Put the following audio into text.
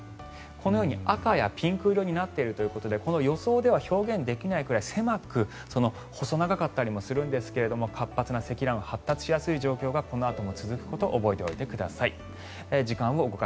このように赤やピンク色になっているということで予想では表現できないくらい狭く細長かったりもするんですが活発な積乱雲が発達しやすい状況がこのあとも続くことにご注意ください。